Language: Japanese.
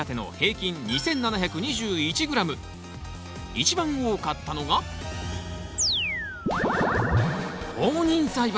一番多かったのが放任栽培！